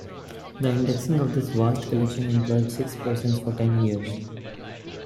The indexing of this vast collection employed six persons for ten years.